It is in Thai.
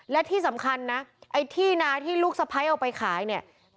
และที่สำคัญนะไอ้ที่นาที่ลูกสะพ้ายเอาไปขายเนี่ย